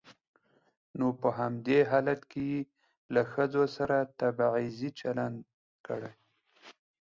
نو په همدې حالت کې يې له ښځو سره تبعيضي چلن کړى.